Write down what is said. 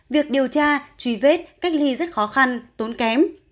việc điều tra truy vết cách ly rất khó khăn tốn kém